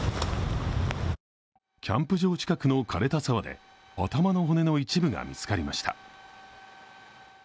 キャンプ場近くの枯れた沢で頭の骨の一部が見つかりました。